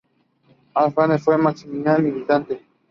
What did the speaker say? Haldane fue un marxista militante.